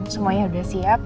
semuanya sudah siap